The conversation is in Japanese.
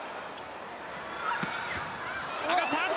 上がった！